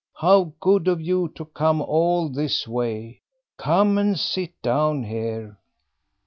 How good of you to come all this way! Come and sit down here."